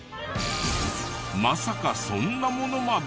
まさかそんなものまで！？